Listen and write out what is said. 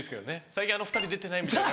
「最近あの２人出てない」。